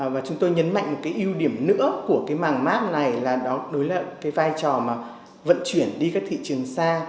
và chúng tôi nhấn mạnh một cái ưu điểm nữa của cái mảng map này là đó đối với cái vai trò mà vận chuyển đi các thị trường xa